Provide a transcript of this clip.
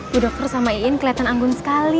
bu dokter sama iin kelihatan anggun sekali